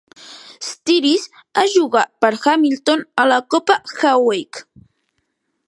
Styris ha jugar per Hamilton a la copa Hawke.